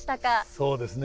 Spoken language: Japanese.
そうですね。